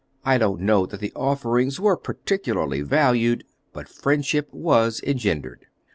I don't know that the offerings were particularly valued; but friendship was engendered.